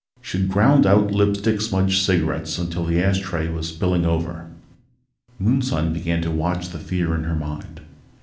She'd ground out lipstick smudged cigarettes until the ash tray was spilling over. Moonson began to watch the fear in her mind